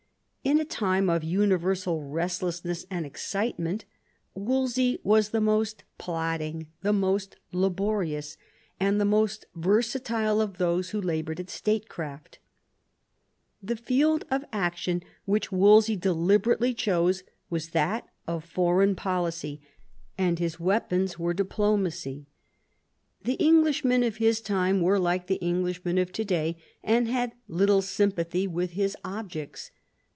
In a time of universal restless ness and excitement Wolsey was the most plodding, the most laborious, and the most versatile of those who laboured at statecraft The field of action which Wolsey deliberately chose was that of foreign policy, and his weapons were diplo macy. The Englishmen of his time were like the Englishmen of to day, and had little sympathy with his objects.